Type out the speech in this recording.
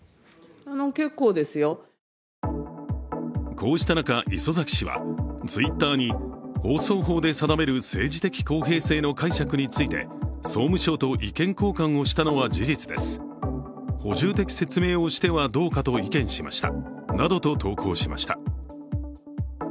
こうした中磯崎氏はＴｗｉｔｔｅｒに、放送法で定める政治的公平の解釈について総務省と意見交換をしたのは事実です、補充的説明をしてはどうかと意見しましたなどと投稿しました。